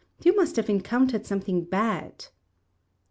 You must have encountered something bad."